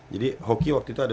jadi hoki waktu itu ada